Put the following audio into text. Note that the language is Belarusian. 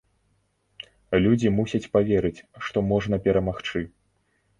Людзі мусяць паверыць, што можна перамагчы.